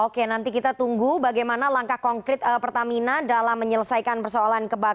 oke nanti kita tunggu bagaimana langkah konkret pertamina dalam menyelesaikan persoalan kebakaran